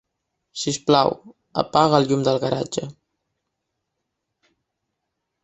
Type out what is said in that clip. Sisplau, apaga el llum del garatge.